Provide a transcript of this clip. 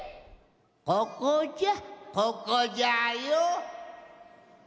ここじゃここじゃよ。